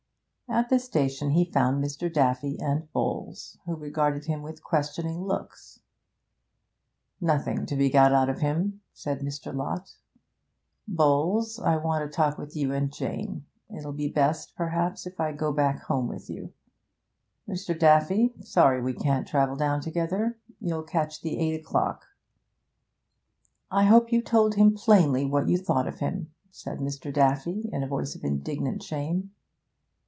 At the station he found Mr. Daffy and Bowles, who regarded him with questioning looks. 'Nothing to be got out of him,' said Mr. Lott. 'Bowles, I want a talk with you and Jane; it'll be best, perhaps, if I go back home with you. Mr. Daffy, sorry we can't travel down together. You'll catch the eight o'clock.' 'I hope you told him plainly what you thought of him,' said Mr. Daffy, in a voice of indignant shame.